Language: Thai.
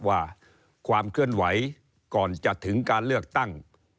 ว่าความเคลื่อนไหวก่อนจะถึงการเลือกตั้ง